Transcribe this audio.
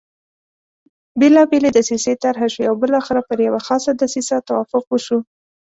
بېلابېلې دسیسې طرح شوې او بالاخره پر یوه خاصه دسیسه توافق وشو.